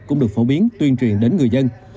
cũng được phổ biến tuyên truyền đến người dân